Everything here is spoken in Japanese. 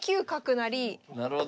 なるほど。